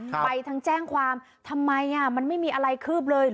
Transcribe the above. ไปทั้งแจ้งความทำไมอ่ะมันไม่มีอะไรคืบเลย